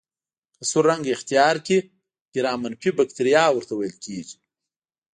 که سور رنګ اختیار کړي ګرام منفي بکټریا ورته ویل کیږي.